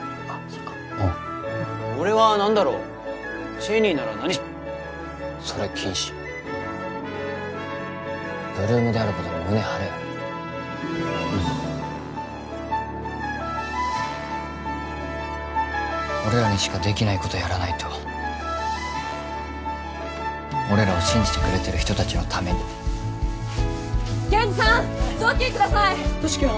そっかああ俺は何だろうＣＨＡＹＮＥＹなら何それ禁止８ＬＯＯＭであることに胸張れようん俺らにしかできないことやらないと俺らを信じてくれてる人達のためにケンジさん雑巾ください